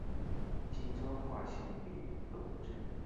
今彰化县北斗镇。